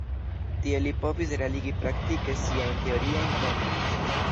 Tie li povis realigi praktike siajn teoriajn konojn.